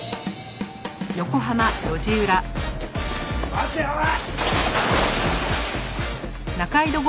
待ておい！